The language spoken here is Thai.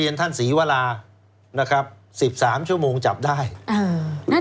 มันหายไปไหน